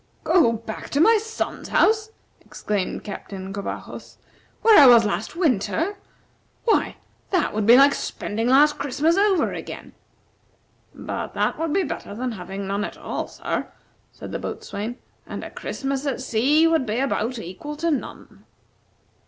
"Go back to my son's house!" exclaimed Captain Covajos, "where I was last winter! Why, that would be like spending last Christmas over again!" "But that would be better than having none at all, sir," said the boatswain, "and a Christmas at sea would be about equal to none."